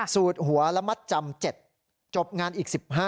สูตรหัวและมัดจำ๗จบงานอีก๑๕